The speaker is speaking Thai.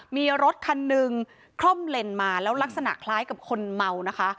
มีรถคันหนึ่งคล่อมเลนมาแล้วลักษณะคล้ายกับคนเมานะคะ